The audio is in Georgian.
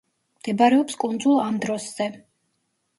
მდებარეობს კუნძულ ანდროსზე.